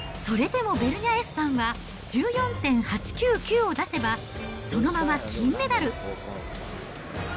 それでもベルニャエフさんは１４．８９９を出せばそのまま金メダル。